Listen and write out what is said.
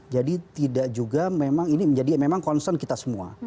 jadi tidak juga memang ini menjadi memang concern kita semua